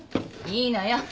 いいのよ。